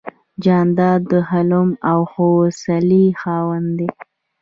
جانداد د حلم او حوصلې خاوند دی.